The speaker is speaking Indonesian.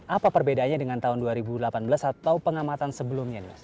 apa perbedaannya dengan tahun dua ribu delapan belas atau pengamatan sebelumnya